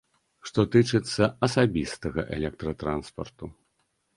Што тычыцца асабістага электратранспарту.